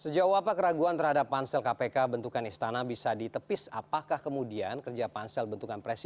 jangan lupa subscribe channel ini